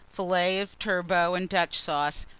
Fillets of Turbot and Dutch Sauce.